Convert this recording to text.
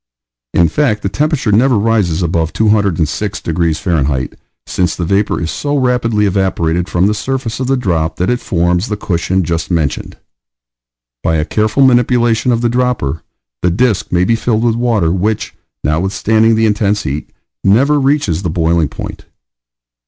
In fact the temperature never rises above 206 degrees F., since the vapor is so rapidly evaporated from the surface of the drop that it forms the cushion just mentioned. By a careful manipulation of the dropper, the disk may be filled with water which, notwithstanding the intense heat, never reaches the boiling point.